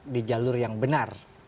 di jalur yang benar